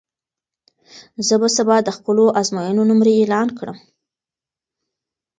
زه به سبا د خپلو ازموینو نمرې اعلان کړم.